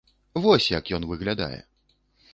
Вось як ён выглядае.